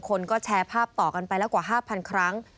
คนก็แชร์ภาพต่อกันไปแล้วกว่า๕๐๐๐ครั้ง